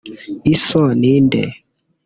Iso ni inde